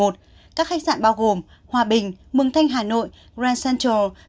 các khách sạn bao gồm hòa bình mường thanh hà nội grand central